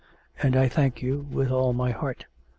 And I thank you with all my heart.